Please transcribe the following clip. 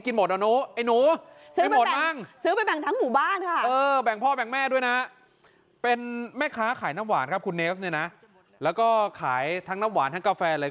แล้วก็ขายทั้งน้ำหวานทั้งกาแฟเลย